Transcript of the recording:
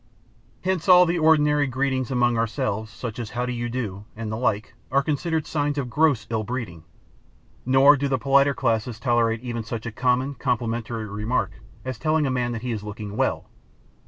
Hence all the ordinary greetings among ourselves, such as, How do you do? and the like, are considered signs of gross ill breeding; nor do the politer classes tolerate even such a common complimentary remark as telling a man that he is looking well.